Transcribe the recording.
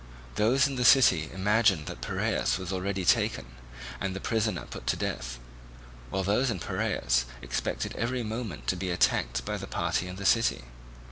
Those in the city imagined that Piraeus was already taken and the prisoner put to death, while those in Piraeus expected every moment to be attacked by the party in the city.